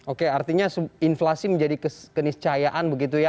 oke artinya inflasi menjadi keniscayaan begitu ya